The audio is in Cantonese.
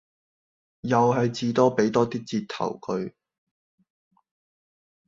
又係至多俾多 d 折頭佢